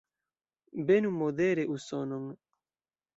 Benu modere Usonon!